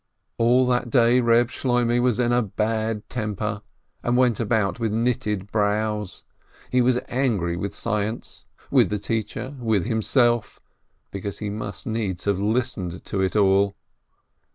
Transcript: All that day Eeb Shloimeh was in a bad temper, and went about with knitted brows. He was angry with science, with the teacher, with himself, because he must needs have listened to it all.